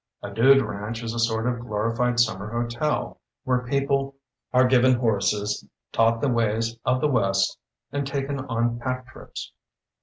A "dude ranch" is a sort of glorified sununer hotel, where people are given horses, taught the ways of the west, and taken on pack trips.